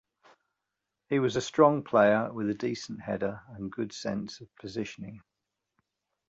He was a strong player with a decent header and good sense of positioning.